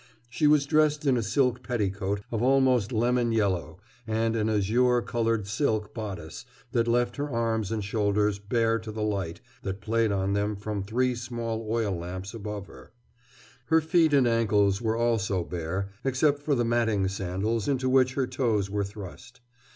She was dressed in a silk petticoat of almost lemon yellow and an azure colored silk bodice that left her arms and shoulders bare to the light that played on them from three small oil lamps above her. Her feet and ankles were also bare, except for the matting sandals into which her toes were thrust.